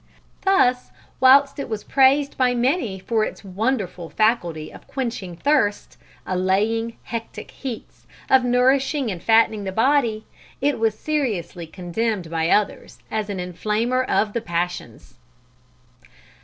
Thus, whilst it was praised by many for its "wonderful faculty of quenching thirst, allaying hectic heats, of nourishing and fattening the body," it was seriously condemned by others as an inflamer of the passions!